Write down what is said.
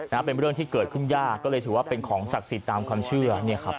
เป็นเรื่องที่เกิดขึ้นยากก็เลยถือว่าเป็นของศักดิ์สิทธิ์ตามความเชื่อเนี่ยครับ